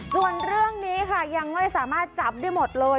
ส่วนเรื่องนี้ค่ะยังไม่สามารถจับได้หมดเลย